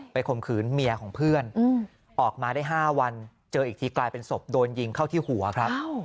ข่มขืนเมียของเพื่อนออกมาได้๕วันเจออีกทีกลายเป็นศพโดนยิงเข้าที่หัวครับ